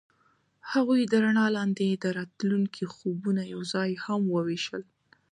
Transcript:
هغوی د رڼا لاندې د راتلونکي خوبونه یوځای هم وویشل.